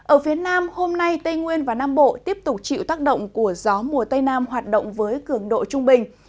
ở phía nam hôm nay tây nguyên và nam bộ tiếp tục chịu tác động của gió mùa tây nam hoạt động với cường độ trung bình